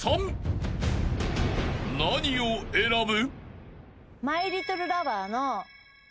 ［何を選ぶ？］